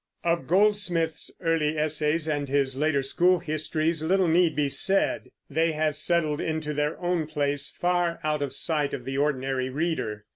Of Goldsmith's early essays and his later school histories little need be said. They have settled into their own place, far out of sight of the ordinary reader.